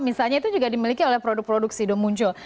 misalnya itu juga dimiliki oleh produk produk sido muncul